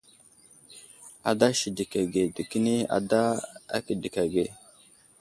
Ada sədək age dekəni ada kedək age.